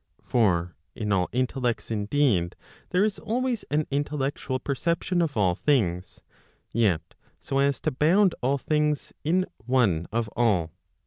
For in all intellects indeed, there is always an intellectual perception of all things; yet so as to bound all things in one of all.